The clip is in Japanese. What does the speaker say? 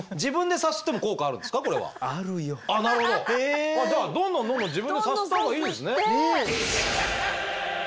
じゃあどんどんどんどん自分でさすった方がいいですね。